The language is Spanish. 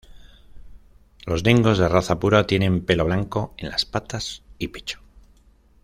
Los dingos de raza pura tienen pelo blanco en las patas y pecho.